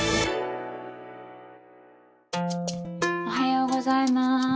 おはようございます。